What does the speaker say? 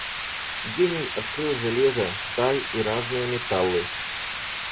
Гений открыл железо, сталь и разные металлы.